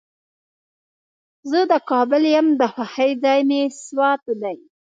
زه د کابل یم، د خوښې ځای مې سوات دی.